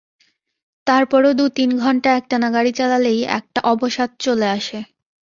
তার পরও দু-তিন ঘণ্টা একটানা গাড়ি চালালেই একটা অবসাদ চলে আসে।